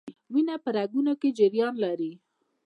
وینه په رګونو کې جریان لري